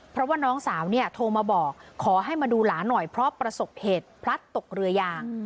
เพราะว่าน้องสาวเนี่ยโทรมาบอกขอให้มาดูหลานหน่อยเพราะประสบเหตุพลัดตกเรือยาง